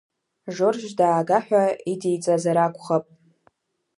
Жорж даага ҳәа идиҵазар акәхап…